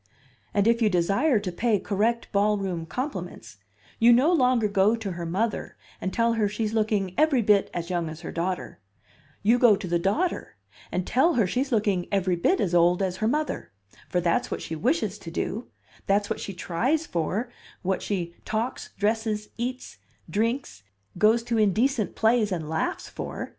And if you desire to pay correct ballroom compliments, you no longer go to her mother and tell her she's looking every bit as young as her daughter; you go to the daughter and tell her she's looking every bit as old as her mother, for that's what she wishes to do, that's what she tries for, what she talks, dresses, eats, drinks, goes to indecent plays and laughs for.